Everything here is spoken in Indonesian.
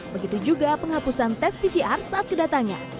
begitu juga penghapusan tes pcr saat kedatangan